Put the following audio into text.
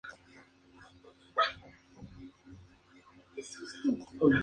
Ha pasado el tiempo.